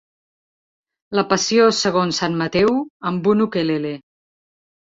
"La passió segons sant Mateu" amb un ukelele.